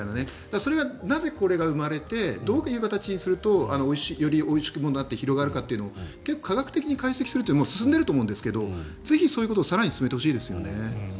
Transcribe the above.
それが、なぜこれが生まれてどういう形にするとよりおいしくもなって広がるかというのを結構、科学的に解析するってもうすでに進んでいると思いますけどぜひ、そういうことを更に進めてほしいですよね。